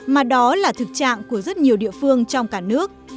mà đó là thực trạng của rất nhiều địa phương trong cả nước